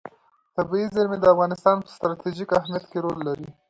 طبیعي زیرمې د افغانستان په ستراتیژیک اهمیت کې رول لري.